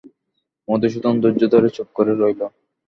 মধুসূদন ধৈর্য ধরে চুপ করে রইল।